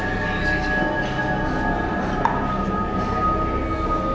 kakak mau ngerasain perhatian dari kakak